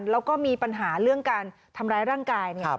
แล้วก็มีปัญหาเรื่องการทำร้ายร่างกาย